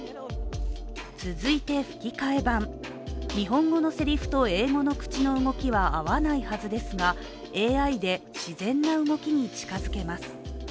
続いて吹き替え版、日本語のせりふと英語の口の動きは合わないはずですが、ＡＩで自然な動きに近づけます。